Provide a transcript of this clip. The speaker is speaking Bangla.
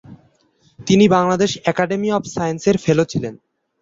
তিনি বাংলাদেশ একাডেমী অব সায়েন্সের ফেলো ছিলেন।